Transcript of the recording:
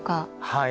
はい。